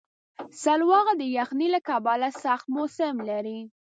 سلواغه د یخنۍ له کبله سخت موسم لري.